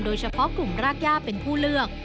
โดยเฉพาะกลุ่มรากย่าเป็นผู้เลือก